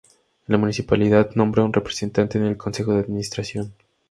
La municipalidad nombra un representante en el Consejo de administración.